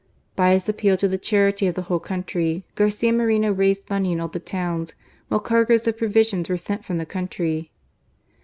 By his appeal to the charity of the whole country Garcia Moreno raised money in all the towns, while cargoes of provisions were sent from the country.